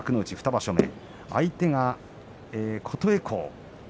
２場所目相手が琴恵光。